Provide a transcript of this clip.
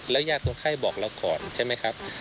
แล้วยาดคนไข้บอกเราก่อนใช่ไหมครับ